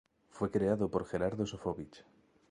Fue creado por Gerardo Sofovich.